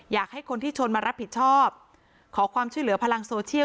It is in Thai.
อยากให้คนที่ชนมารับผิดชอบขอความช่วยเหลือพลังโซเชียล